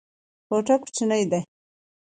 کوټه کوچنۍ ده.